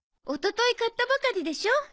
おととい買ったばかりでしょ？